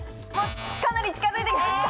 かなり近づいてきました。